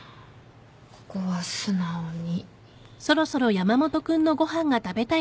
ここは素直に。